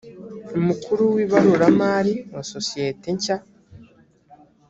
umukuru w’ibaruramari wa sosiyete nshya